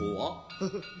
フフフ。